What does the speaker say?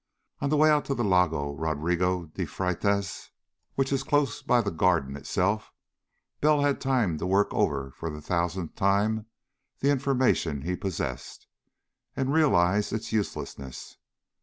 On the way out to the Lagao Rodrigo de Feitas, which, is close by the Garden itself, Bell had time to work over for the thousandth time the information he possessed, and realize its uselessness.